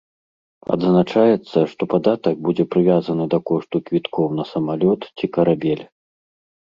Адзначаецца, што падатак будзе прывязаны да кошту квіткоў на самалёт ці карабель.